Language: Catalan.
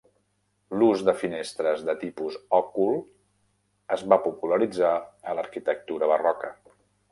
L'ús de finestres de tipus òcul es va popularitzar a l'arquitectura barroca.